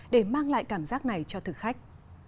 để mang lại cảm giác này cho thực khách